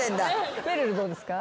めるるどうですか？